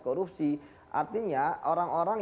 korupsi artinya orang orang